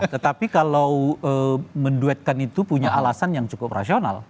tetapi kalau menduetkan itu punya alasan yang cukup rasional